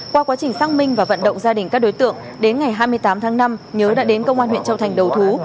qua quá trình xác minh và vận động gia đình các đối tượng đến ngày hai mươi tám tháng năm nhớ đã đến công an huyện châu thành đầu thú